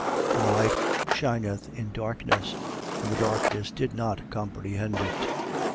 1:5. And the light shineth in darkness: and the darkness did not comprehend it.